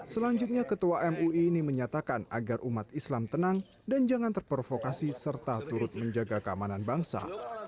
selanjutnya ketua mui ini menyatakan agar umat islam tenang dan jangan terprovokasi serta turut menjaga keamanan bangsa